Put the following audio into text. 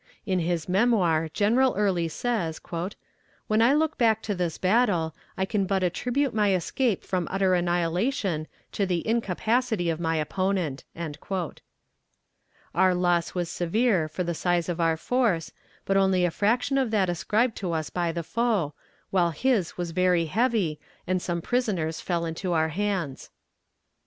In his memoir General Early says: "When I look back to this battle, I can but attribute my escape from utter annihilation to the incapacity of my opponent." Our loss was severe for the size of our force, but only a fraction of that ascribed to us by the foe, while his was very heavy, and some prisoners fell into our hands.